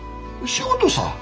仕事さ。